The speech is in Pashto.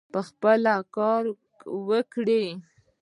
پخپله کار وکړي.